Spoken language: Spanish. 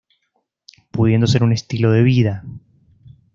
Pudiendo ser un estilo de vida.